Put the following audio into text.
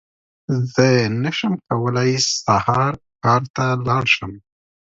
زه نشم کولی سهار کار ته لاړ شم!